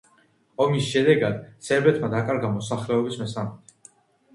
ომის შედეგად, სერბეთმა დაკარგა მოსახლეობის მესამედი.